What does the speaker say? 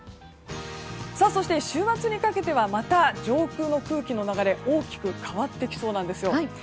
そして、週末にかけてはまた上空の空気の流れが大きく変わってきそうなんですよ。